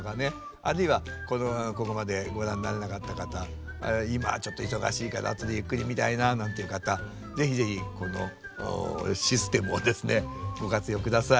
あるいはここまでご覧になれなかった方今はちょっと忙しいから後でゆっくり見たいななんていう方是非是非このシステムをご活用下さい。